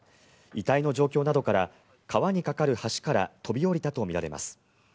遺体の状況などから川に架かる橋から飛び降りたとみられます。